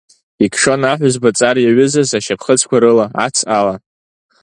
Икшон аҳәызба-ҵар иаҩызаз ашьапхыцқәа рыла, ац ала.